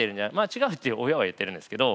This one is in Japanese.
違うって親は言ってるんですけど。